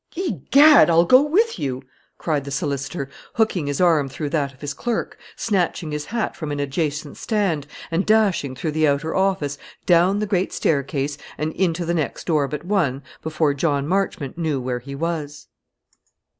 "Egad, I'll go with you!" cried the solicitor, hooking his arm through that of his clerk, snatching his hat from an adjacent stand, and dashing through the outer office, down the great staircase, and into the next door but one before John Marchmont knew where he was.